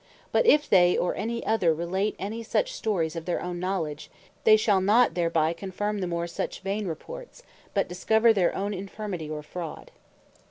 But if they, or any other, relate any such stories of their own knowledge, they shall not thereby confirm the more such vain reports; but discover their own Infirmity, or Fraud.